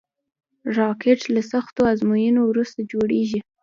راکټ له سختو ازموینو وروسته جوړېږي